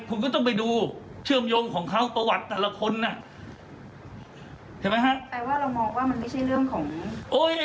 คุณก็ต้องไปดูเชื่อมโยงของเขาประวัติแต่ละคนนะ